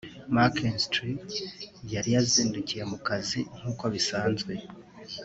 Mckinstry yari yazindukiye ku kazi nk’uko bisanzwe